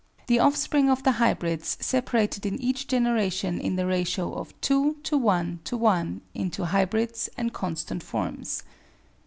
The offspring of the hybrids separated in each generation in the ratio of 2:1:1 into hybrids and constant forms.